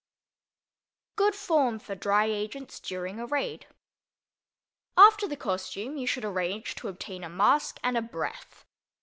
_ GOOD FORM FOR DRY AGENTS DURING A RAID After the costume, you should arrange to obtain a mask and a breath.